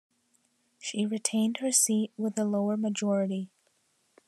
She retained her seat with a lower majority.